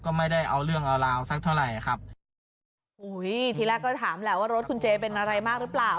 ก็ไม่ได้เอาเรื่องเอาราวสักเท่าไหร่ครับอุ้ยทีแรกก็ถามแหละว่ารถคุณเจเป็นอะไรมากหรือเปล่า